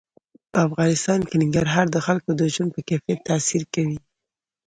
په افغانستان کې ننګرهار د خلکو د ژوند په کیفیت تاثیر کوي.